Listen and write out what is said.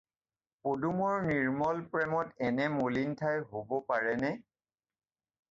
পদুমৰ নিৰ্ম্মল প্ৰেমত এনে মলিৰ ঠাই হ'ব পাৰে নে?